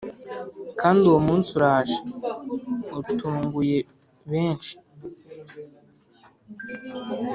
kandi uwo munsi uraje utunguye benshi